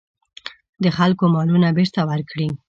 د خلکو مالونه بېرته ورکړي.